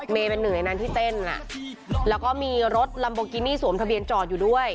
เป็นหนึ่งในนั้นที่เต้นแล้วก็มีรถลัมโบกินี่สวมทะเบียนจอดอยู่ด้วย